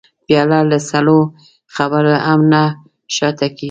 پیاله له سړو خبرو هم نه شا ته کېږي.